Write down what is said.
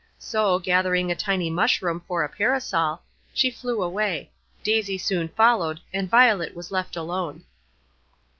So, gathering a tiny mushroom for a parasol, she flew away; Daisy soon followed, and Violet was left alone.